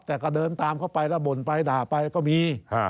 แต่ก็เดินตามเข้าไปแล้วบ่นไปด่าไปก็มี